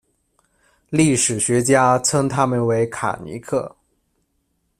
历史学家称他们为卡尼克。